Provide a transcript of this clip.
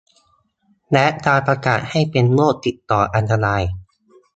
และการประกาศให้เป็นโรคติดต่ออันตราย